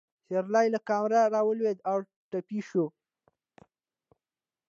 سېرلی له کمره راولوېده او ټپي شو.